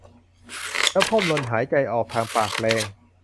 แล้วพ่นลมหายใจออกทางปากแรง